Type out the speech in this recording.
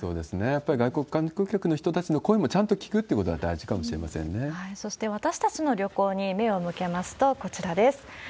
やっぱり外国観光客の人たちの声もちゃんと聴くってことが大事かそして、私たちの旅行に目を向けますと、こちらです。